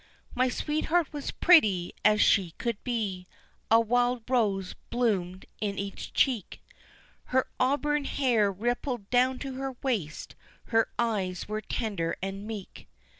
My sweetheart was pretty as she could be, a wild rose bloomed in each cheek, Her auburn hair rippled down to her waist, her eyes were tender and meek.